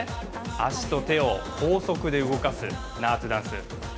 足と手を高速で動かす、ナートゥダンス。